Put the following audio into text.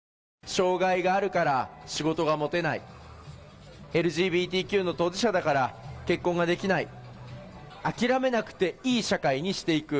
障害があるから仕事が持てない、ＬＧＢＴＱの当事者だから結婚ができない、諦めなくていい社会にしていく。